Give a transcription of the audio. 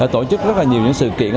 tổ chức rất nhiều sự kiện